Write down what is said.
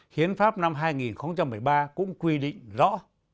hiến pháp năm hai nghìn một mươi ba cũng quy định rõ